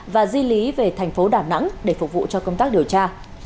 và di lý về thành phố đà nẵng để phục vụ cho công tác điều tra